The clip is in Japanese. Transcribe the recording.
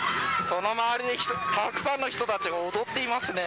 その周りでたくさんの人たちが踊っていますね。